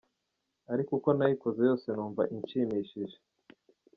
ariko uko nayikoze yose numva inshimishije.